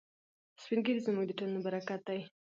سپین ږیري زموږ د ټولنې برکت دی.